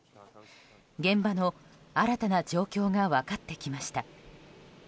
現場の新たな状況が分かってきました。